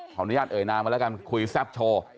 ขออนุญาตเอ๋อนน้ำมาแล้วก็คุยแซ่บโชว์